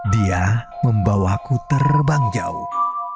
dia membawaku terbang jauh